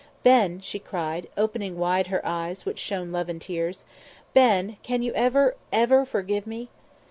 "Ben," she cried, opening wide her eyes in which shone love and tears, "Ben, can you ever ever forgive me?"